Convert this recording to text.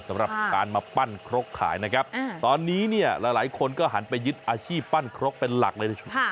สำหรับการมาปั้นครกขายนะครับตอนนี้เนี่ยหลายคนก็หันไปยึดอาชีพปั้นครกเป็นหลักเลย